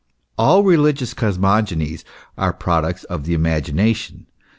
All religious cosmogonies are products of the imagination.